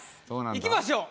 いきましょう。